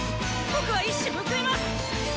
僕は一矢報います！